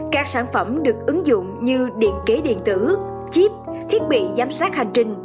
các sản phẩm được ứng dụng như điện kế điện tử chip thiết bị giám sát hành trình